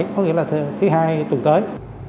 có nghĩa là thứ hai tuần tới